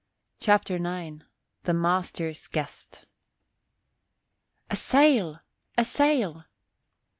CHAPTER IX THE MASTER'S GUEST "A sail! A sail!"